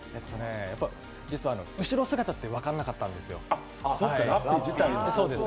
実は、後ろ姿って分からなかったんですよ。